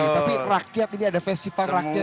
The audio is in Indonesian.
tapi rakyat ini ada festival rakyat